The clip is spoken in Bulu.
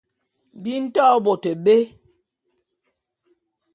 Bi nto bôt bé.